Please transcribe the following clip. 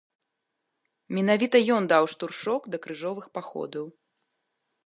Менавіта ён даў штуршок да крыжовых паходаў.